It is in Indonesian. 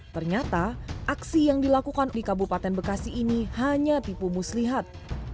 ternyata aksi yang dilakukan di kabupaten bekasi ini hanya tipu muslihat